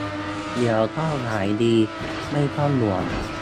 เดี๋ยวก็หายดี ไม่ต้องห่วง